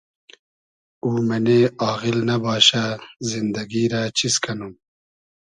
او مئنې آغیل نئباشۂ زیندئگی رۂ چیز کئنوم